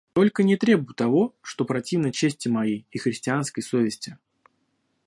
Только не требуй того, что противно чести моей и христианской совести.